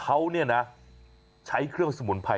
โอ้โฮ